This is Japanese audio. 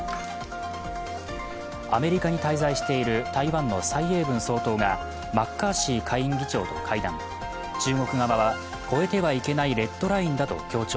アメリカに滞在している台湾の蔡英文総統がマッカーシー下院議長と会談中国側は超えてはいけないレッドラインだと強調。